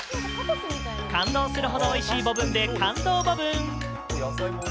感動するほどおいしいボブンで、感動ボブン。